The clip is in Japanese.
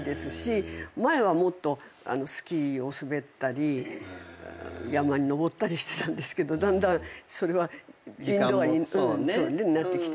前はもっとスキーを滑ったり山に登ったりしてたんですけどだんだんそれはインドアになってきてしまってますけど。